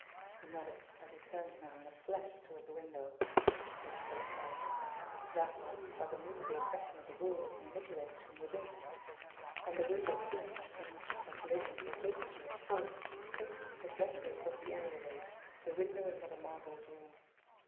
He nodded, as he turned now in a flash toward the windbw. He was satisfied. That was how the movable section of the wall was manipulated from within. And the window here, unless his calculations were hopelessly at fault, faced, exactly across the areaway, the window in Mother Margot's room.